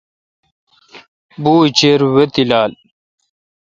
بوُچیر وے°تیلال۔